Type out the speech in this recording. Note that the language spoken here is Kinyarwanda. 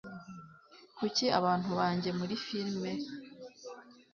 Kuki abantu bajya muri firime